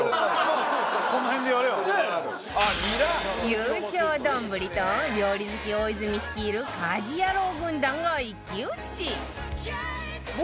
優勝丼と料理好き大泉率いる家事ヤロウ軍団が一騎打ち